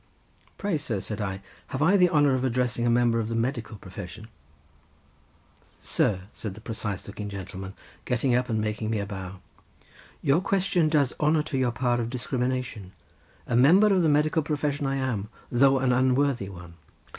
"Pray, sir," said I, "have I the honour of addressing a member of the medical profession?" "Sir," said the precise looking gentleman, getting up and making me a bow, "your question does honour to your powers of discrimination—a member of the medical profession I am, though an unworthy one."